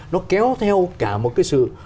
nó kéo theo cả một cái sự